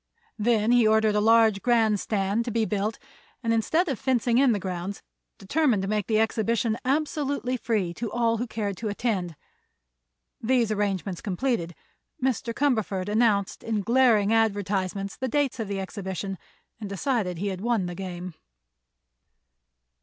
Then he ordered a large grand stand to be built and instead of fencing in the grounds determined to make the exhibition absolutely free to all who cared to attend. These arrangements completed, Mr. Cumberford announced in glaring advertisements the date of the exhibition, and decided he had won the game.